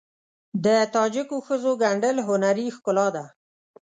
د تاجکو ښځو ګنډل هنري ښکلا ده.